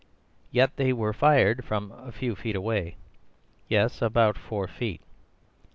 "Yet they were fired from a few feet away." "Yes; about four feet."